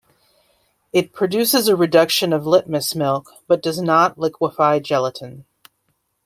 It produces a reduction of litmus milk, but does not liquefy gelatin.